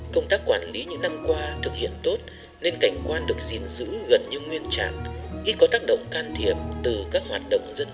công tác quản lý những năm qua thực hiện tốt nên cảnh quan được gìn giữ gần như nguyên trạng ít có tác động can thiệp từ các hoạt động dân sinh